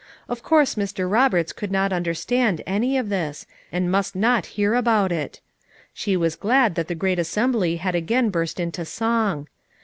Of course Mr. Roberts could not un derstand any of this, and must not hear about it; she was glad that the great assembly had again burst into song.